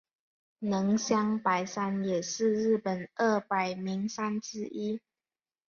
能乡白山也是日本二百名山之一。